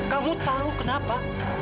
kamu tahu kenapa